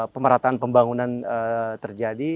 pemerataan pembangunan terjadi